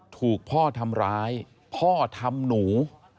ถูกพ่อทำร้ายพ่อทำหนู